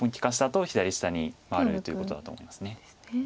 あと左下に回るということだと思います。